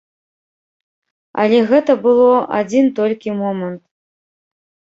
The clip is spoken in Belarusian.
Але гэта было адзін толькі момант.